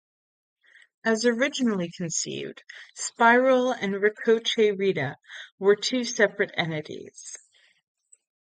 As originally conceived, Spiral and Ricochet Rita were two separate entities.